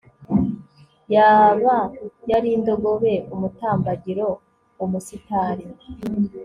yoba yari indogobe, umutambagiro, umusitari